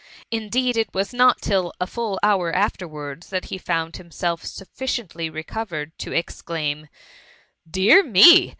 Indeed, it was not till a full hour aftterwards, that he found himself sufficiently reoovared to exclaim, '^ Dear me